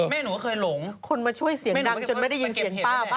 แม่หนูก็เคยหลงคนมาช่วยเสียงดังจนไม่ได้ยินเสียงป้าป่